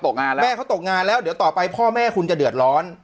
งานแล้วแม่เขาตกงานแล้วเดี๋ยวต่อไปพ่อแม่คุณจะเดือดร้อน